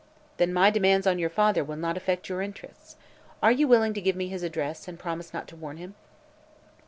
"Then my demands on your father will not affect your interests. Are you willing to give me his address, and promise not to warn him?"